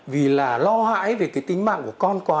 vì lo hãi về tính mạng của con quá